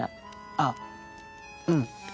あっうん。